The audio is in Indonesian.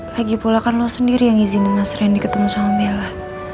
lagi pula kan lo sendiri yang izinin mas randy ketemu sama bella